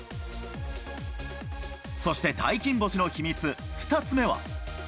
そして大金星の秘密２つ目は。